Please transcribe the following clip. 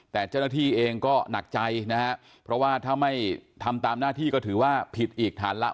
แต่เจ้าหน้าที่เองก็หนักใจถ้าไม่ทำตามหน้าที่ก็ถือว่าผิดอีกทันละ